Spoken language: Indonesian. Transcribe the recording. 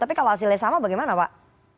tapi kalau hasilnya sama bagaimana pak